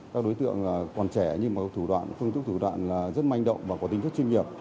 các đối tượng còn trẻ nhưng mà phương thức thủ đoạn rất manh động và có tính thức chuyên nghiệp